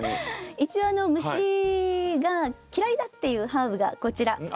一応虫が嫌いだっていうハーブがこちらなんですね。